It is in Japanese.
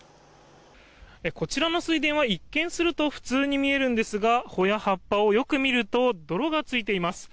こちらの水田は一見すると普通に見えるんですが穂や葉っぱをよく見ると泥がついています。